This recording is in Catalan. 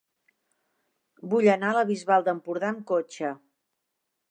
Vull anar a la Bisbal d'Empordà amb cotxe.